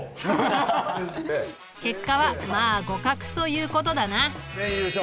結果はまあ互角ということだな。